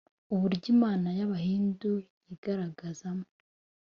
uburyo imana y’abahindu yigaragazamo